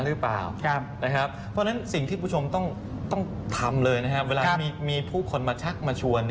เพราะฉะนั้นสิ่งที่ผู้ชมต้องทำเลยนะครับเวลามีผู้คนมาชักมาชวน